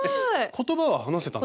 言葉は話せたんですか？